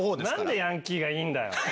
何でヤンキーがいいんだよ？